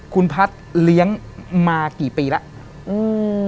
คุณพัฒน์เลี้ยงมากี่ปีแล้วอืม